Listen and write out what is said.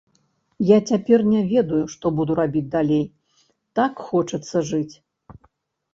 Я цяпер не ведаю, што буду рабіць далей, так хочацца жыць!